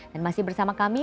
dan masih bersama kami